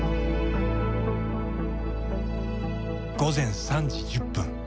午前３時１０分。